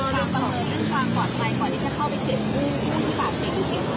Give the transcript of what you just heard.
ก่อนหน้ากรการก็จะเข้าไปเจี๋ยวอย่างที่ปากเจ็บอย่างไง